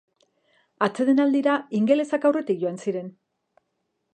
Atsedenaldira ingelesak aurretik joan ziren.